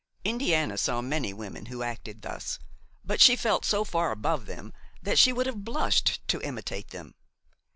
Indiana saw many women who acted thus; but she felt so far above them that she would have blushed to imitate them.